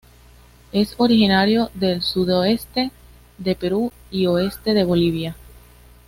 Es originario del sudoeste de Perú y oeste de Bolivia.